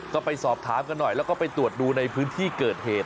ก็ไปสอบถามกันหน่อยแล้วก็ไปตรวจดูในพื้นที่เกิดเหตุ